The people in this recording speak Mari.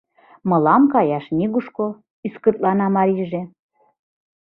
Мылам каяш нигушко, — ӱскыртлана марийже.